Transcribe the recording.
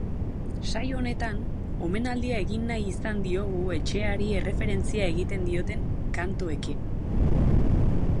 Saio honetan, omenaldia egin nahi izan diogu etxeari erreferentzia egiten dioten kantuekin.